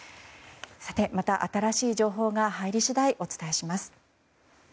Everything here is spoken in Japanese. また、新しい情報が入り次第お伝えします。